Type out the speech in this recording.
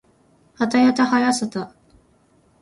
はたやたはやさた